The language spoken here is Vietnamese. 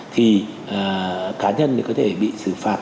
thì cá nhân có thể bị xử phạt